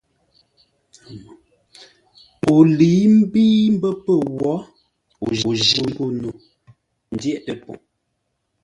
O lə̌i mbə́i mbə́ pə̂ wǒ, o jî ghô no tə ndyə́tə́ po.